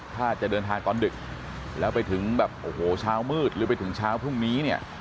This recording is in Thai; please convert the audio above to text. ถ้าจะเดินทางตอนดึกแล้วไปถึงแบบโอ้โหเช้ามืดหรือไปถึงเช้าพรุ่งนี้เนี่ย